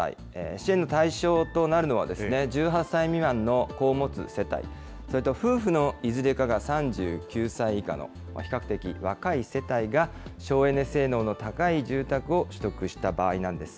支援の対象となるのは、１８歳未満の子を持つ世帯、それと夫婦のいずれかが３９歳以下の比較的若い世帯が省エネ性能の高い住宅を取得した場合なんです。